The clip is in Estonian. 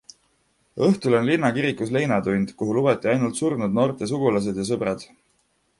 Õhtul oli linnakirikus leinatund, kuhu lubati ainult surnud noorte sugulased ja sõbrad.